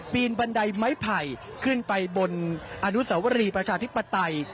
นบันไดไม้ไผ่ขึ้นไปบนอนุสวรีประชาธิปไตย